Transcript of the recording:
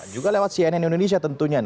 juga lewat cnn indonesia tentunya